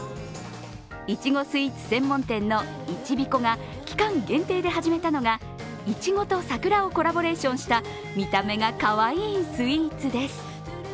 いちごスイーツ専門店のいちびこが期間限定で始めたのがイチゴとさくらをコラボレーションした見た目がかわいいスイーツです。